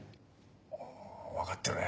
お分かってるね。